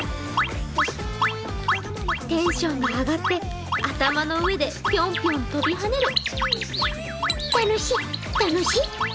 テンションが上がって頭の上でぴょんぴょん跳びはねる。